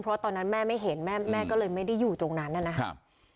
เพราะตอนนั้นแม่ไม่เห็นแม่แม่ก็เลยไม่ได้อยู่ตรงนั้นนะครับ